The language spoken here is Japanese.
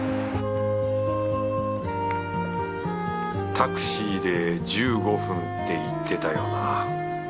タクシーで１５分って言ってたよな。